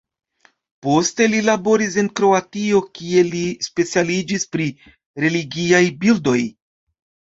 Poste li laboris en Kroatio kie li specialiĝis pri religiaj bildoj.